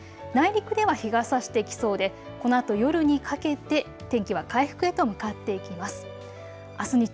内陸では日がさしてきそうでこのあと夜にかけて天気は回復へと向かっていきます。